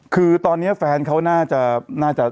คือตอนนี้แฟนเขาน่าจะ